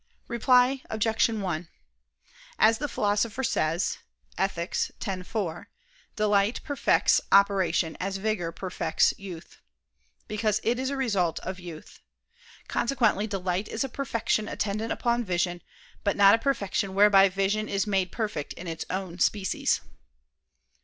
Reply Obj. 1: As the Philosopher says (Ethic. x, 4) "delight perfects operation as vigor perfects youth," because it is a result of youth. Consequently delight is a perfection attendant upon vision; but not a perfection whereby vision is made perfect in its own species.